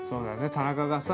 田中がさ